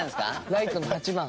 ライトの８番。